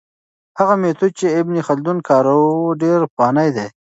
هغه میتود چې ابن خلدون کاروه ډېر پخوانی دی.